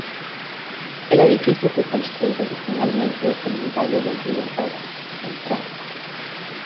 El edificio fue construido originalmente en el valle del río Ródano, en Francia.